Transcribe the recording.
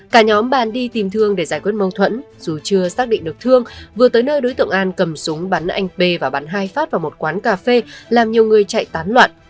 cả nhóm bàn đi tìm thương để giải quyết mâu thuẫn dù chưa xác định được thương vừa tới nơi đối tượng an cầm súng bắn anh p và bắn hai phát vào một quán cà phê làm nhiều người chạy tán loạn